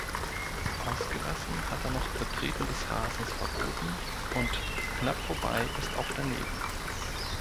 Ausgelassen hat er noch "Betreten des Rasens verboten" und "Knapp vorbei ist auch daneben".